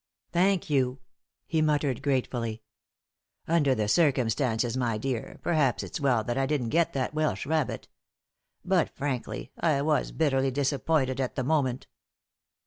"Thank you," he muttered, gratefully. "Under the circumstances, my dear, perhaps it's well that I didn't get that Welsh rabbit. But, frankly, I was bitterly disappointed at the moment."